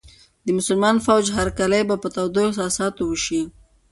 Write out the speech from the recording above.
د مسلمان فوج هرکلی به په تودو احساساتو وشي.